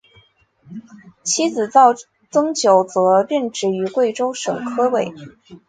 妻子赵曾玖则任职于贵州省科委。